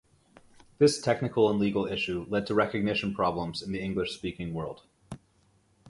This technical and legal issue led to recognition problems in the English-speaking world.